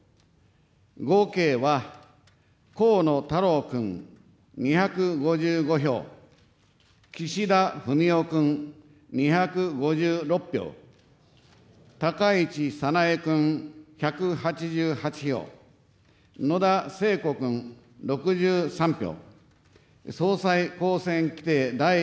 合計は河野太郎君２５５票、岸田文雄君２５６票、高市早苗君１８８票、野田聖子君６３票。